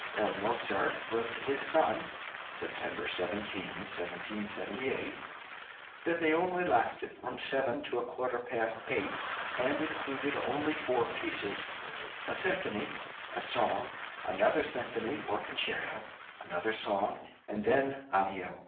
L. Mozart wrote to his son (September 17, 1778) that they only lasted from seven to a quarter past eight, and included only four pieces a symphony, a song, another symphony or concerto, another song, and then addio.